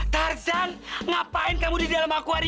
tarzan ngapain kamu di dalam akuari